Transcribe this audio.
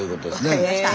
分かりました。